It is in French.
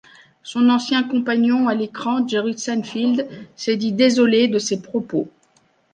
Son ancien compagnon à l'écran Jerry Seinfeld s'est dit désolé de ces propos.